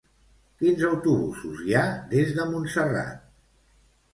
Quins autobusos hi ha des de Montserrat?